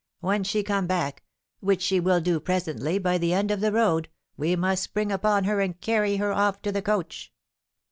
When she come back, which she will do presently by the end of the road, we must spring upon her and carry her off to the coach."